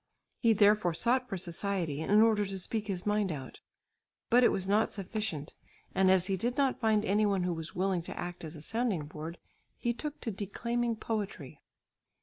He therefore sought for society in order to speak his mind out. But it was not sufficient, and as he did not find any one who was willing to act as a sounding board, he took to declaiming poetry.